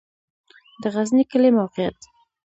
د غزنی کلی موقعیت